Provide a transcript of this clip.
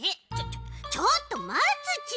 ちょちょっとまつち。